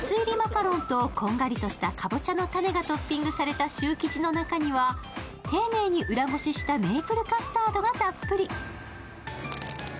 ナッツ入りマカロンとこんがりとしたかぼちゃの種がトッピングされたシュー生地の中には丁寧に裏ごししたメープルカスタードがたっぷり。